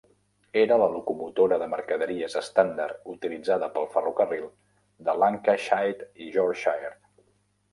Era la locomotora de mercaderies estàndard utilitzada pel Ferrocarril de Lancashite i Yorkshire.